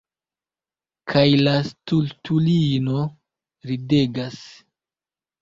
Kaj la stultulino ridegas.